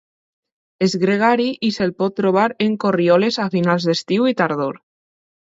És gregari i se'l pot trobar en corrioles a finals d'estiu i tardor.